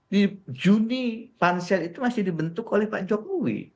di juni pansel itu masih dibentuk oleh pak jokowi